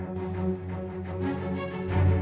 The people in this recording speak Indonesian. gak bertanggung jawab